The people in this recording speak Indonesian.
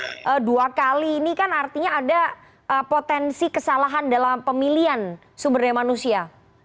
tapi dua kali ini kan artinya ada potensi kesalahan dalam pemilihan sumber daya manusia